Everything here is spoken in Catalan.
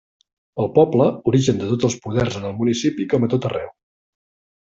El poble, origen de tots els poders en el municipi com a tot arreu.